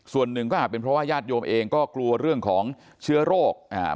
ส่วนหนึ่งก็อาจเป็นเพราะว่าญาติโยมเองก็กลัวเรื่องของเชื้อโรคอ่า